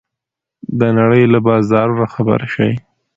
د نړۍ له بازارونو خبر شئ.